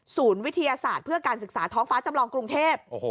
วิทยาศาสตร์เพื่อการศึกษาท้องฟ้าจำลองกรุงเทพ